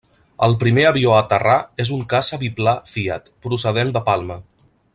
El primer avió a aterrar és un caça biplà Fiat, procedent de Palma.